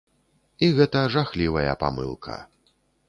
І гэта жахлівая памылка.